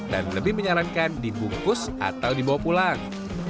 lebih menyarankan dibungkus atau dibawa pulang